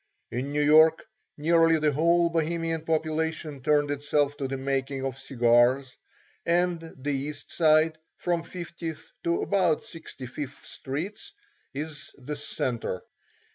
In New York nearly the whole Bohemian population turned itself to the making of cigars, and the East Side, from Fiftieth to about Sixty fifth Streets, is the centre.